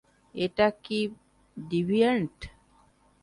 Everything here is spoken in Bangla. এটা কি ডিভিয়েন্ট?